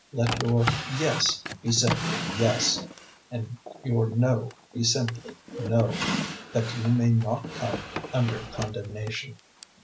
Let your `yes' be simply `yes,' and your `no' be simply `no;' that you may not come under condemnation.